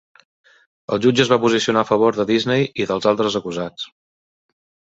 El jutge es va posicionar a favor de Disney i dels altres acusats.